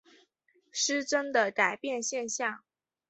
失真的改变现象。